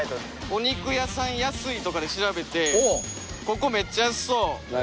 「お肉屋さん安い」とかで調べてここめっちゃ安そう。